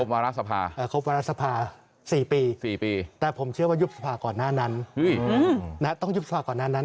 วาระสภาครบวารสภา๔ปี๔ปีแต่ผมเชื่อว่ายุบสภาก่อนหน้านั้นต้องยุบสภาก่อนหน้านั้น